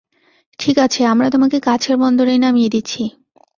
ঠিক আছে, আমরা তোমাকে কাছের বন্দরেই নামিয়ে দিচ্ছি।